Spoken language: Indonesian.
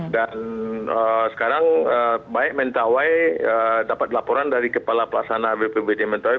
dan sekarang baik mentawai dapat laporan dari kepala pelasana bpbd mentawai